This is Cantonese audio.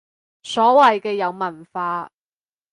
所謂嘅有文化